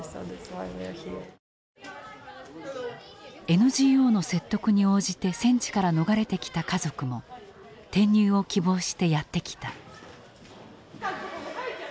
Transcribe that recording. ＮＧＯの説得に応じて戦地から逃れてきた家族も転入を希望してやって来た。